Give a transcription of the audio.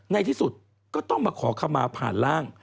ในที่สุดก็ต้องมาขอคำมาผ่านร่าง